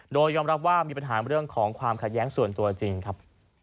โดยยอมรับว่ามีปัญหาเรื่องของความขัดแย้งส่วนตัวจริงครับ